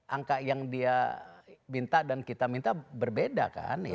angka yang dia minta dan kita minta berbeda kan